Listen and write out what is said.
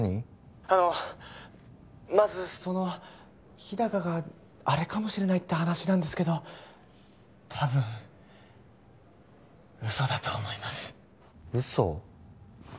あのまずその日高がアレかもしれないって話なんですけどたぶん嘘だと思います嘘？